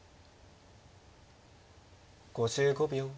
５５秒。